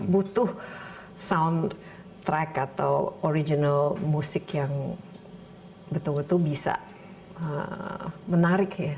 butuh sound track atau original musik yang betul betul bisa menarik ya